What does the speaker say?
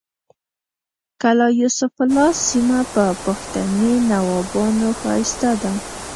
کلا سیف الله سیمه په پښتني نوابانو ښایسته ده